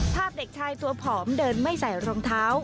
ภาพเด็กชายตัวผอมเดินไม่ใส่รองเท้า